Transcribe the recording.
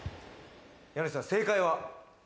家主さん、正解は？